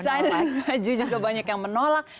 desainer baju juga banyak yang menolak